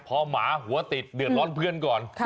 พอหมาหัวติดเดือดร้อนเพื่อนก่อน